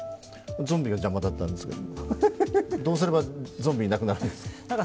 ゾンビが邪魔だったんですけども、どうすれば、ゾンビいなくなるんですか。